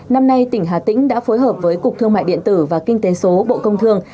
năm nay tỉnh hà tĩnh đã phối hợp với cục thương mại điện tử và kinh tế số bộ công thương